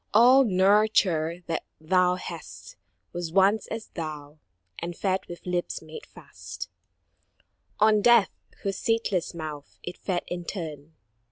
All nurture that thou hast Was once as thou, and fed with lips made fast On Death, whose sateless mouth it fed in turn.